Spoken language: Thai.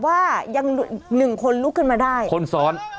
โอ้โฮ